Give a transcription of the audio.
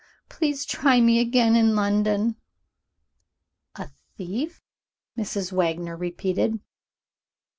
Please try me again, in London." "A thief?" Mrs. Wagner repeated.